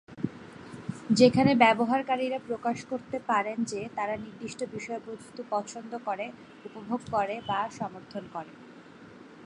যেখানে ব্যবহারকারীরা প্রকাশ করতে পারেন যে, তারা নির্দিষ্ট বিষয়বস্তু পছন্দ করে, উপভোগ করে বা সমর্থন করে।